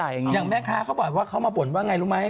อย่างแม่ค้าเขาบอกว่าเขามาบ่นว่าไงรู้ไหม